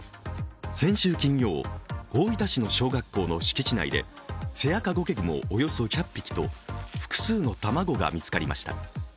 先週金曜、大分の小学校の敷地内でセアカゴケグモ、およそ１００匹と複数の卵が見つかりました。